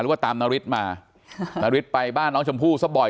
ว่าตามนาริสมาค่ะนาริสไปบ้านน้องชมพู่ซะบ่อย